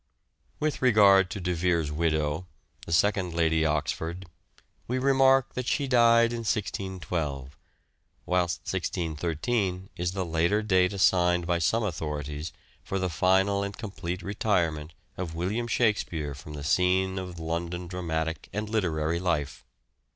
With regard to De Vere's widow, the second The second Lady Oxford, we remark that she died in 1612, whilst Oxford 1613 is the later date assigned by some authorities for the final and complete retirement of William Shakspere from the scene of London dramatic and literary life.